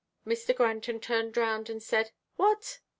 Mr. Granton turned round and said, "What!"